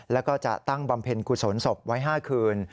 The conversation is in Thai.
แล้วก็จะตั้งบำเพ็ญกุศลศพไว้๕คืน